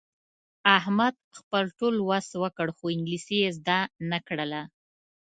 احمد خپل ټول وس وکړ، خو انګلیسي یې زده نه کړله.